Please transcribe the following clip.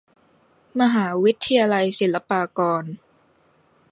มหาวิทยาลัยศิลปากร